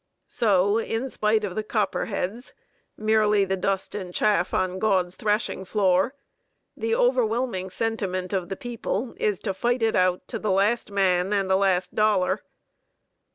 So, in spite of the Copperheads "merely the dust and chaff on God's thrashing floor" the overwhelming sentiment of the people is to fight it out to the last man and the last dollar.